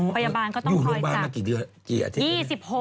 พยาบาลก็ต้องค่อยเก็บมากี่อาทิตย์